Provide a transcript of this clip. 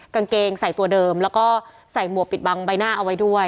กางเกงใส่ตัวเดิมแล้วก็ใส่หมวกปิดบังใบหน้าเอาไว้ด้วย